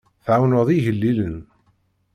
Tɛawneḍ igellilen.